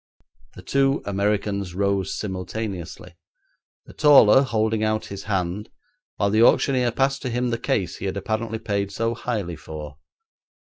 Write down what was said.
The two Americans rose simultaneously, the taller holding out his hand while the auctioneer passed to him the case he had apparently paid so highly for.